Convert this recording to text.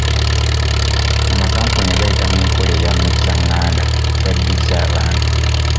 Amakampuni nga gayita mu nkola ya muzzanganda gaddiza abantu.